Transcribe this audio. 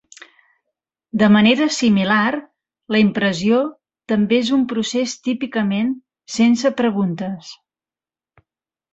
De manera similar, la impressió també és un procés típicament "sense preguntes".